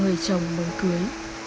với gia đình chị